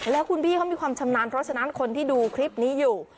แล้วคุณพี่เขามีความชำนาญเพราะฉะนั้นคนที่ดูคลิปนี้อยู่